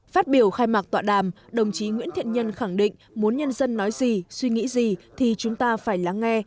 phát biểu khai mạc tọa đàm đồng chí nguyễn thiện nhân khẳng định muốn nhân dân nói gì suy nghĩ gì thì chúng ta phải lắng nghe